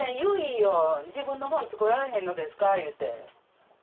自分のもん作られへんのですか言うて。